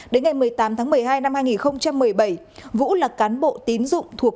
đến ngày một mươi tám tháng một mươi hai năm hai nghìn một mươi bảy vũ là cán bộ tín dụng thuộc